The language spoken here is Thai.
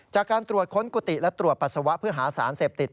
จากการตรวจค้นกุฏิและตรวจปัสสาวะเพื่อหาสารเสพติด